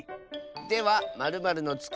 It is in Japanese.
では○○のつく